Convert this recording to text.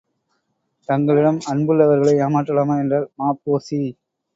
தங்களிடம் அன்புள்ளவர்களை ஏமாற்றலாமா? என்றார் ம.பொ.சி.